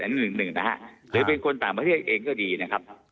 หนึ่งหนึ่งนะฮะหรือเป็นคนต่างประเทศเองก็ดีนะครับ